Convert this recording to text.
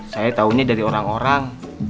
saya tahunya dari orang orang